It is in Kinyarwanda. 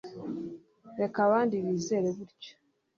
reka abandi bizere gutyo